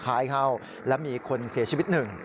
เสยท้ายเห่าแล้วมีคนเสียชีวิตหนึ่ง